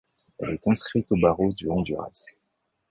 Elle est inscrite au barreau du Honduras.